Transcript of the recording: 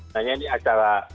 hanya ini acara